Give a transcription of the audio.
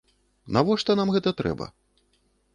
Навошта нам гэта трэба?